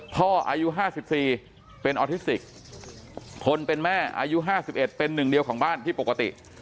อายุ๕๔เป็นออทิสติกคนเป็นแม่อายุ๕๑เป็นหนึ่งเดียวของบ้านที่ปกติ